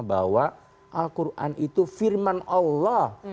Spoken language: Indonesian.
bahwa al quran itu firman allah